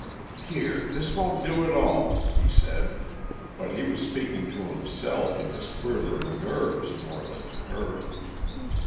"Here, this won't do at all," he said but he was speaking to himself and his quivering nerves, more than to her.